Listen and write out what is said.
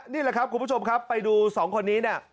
นี่แหละครับคุณผู้ชมไปดูสองคนนี้นะ